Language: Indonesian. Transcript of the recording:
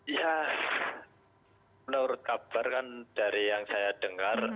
ya menurut kabar kan dari yang saya dengar